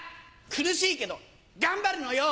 苦しいけど頑張るのよ。